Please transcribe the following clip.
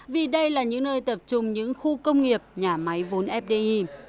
vì đây là những nơi tập trung những khu công nghiệp nhà máy vốn fdi